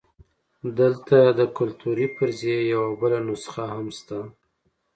دلته د کلتوري فرضیې یوه بله نسخه هم شته.